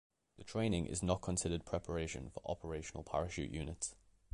The training is not considered preparation for operational parachute units.